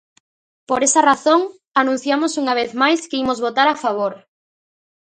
Por esa razón, anunciamos unha vez máis que imos votar a favor.